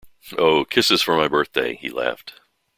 “Oh, kisses for my birthday,” he laughed.